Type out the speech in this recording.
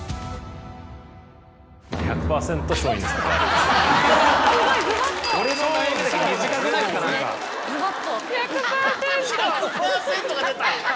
１００％が出た！